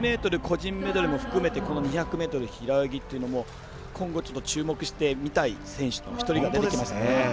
２００ｍ個人メドレーも含めてこの２００ｍ平泳ぎというのも今後、注目して見たい選手の１人が出てきましたね。